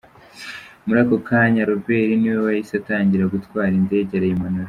Muri ako kanya Robert niwe wahise atangira gutwara, indege arayimanura .